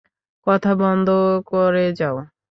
কথা বন্ধ করে যাও।